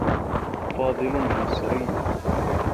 فاضل مصري.